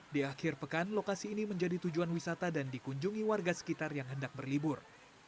di akhir pekan lokasi ini menjadi tujuan wisata dan dikunjungi warga sekitar yang hendak berlibur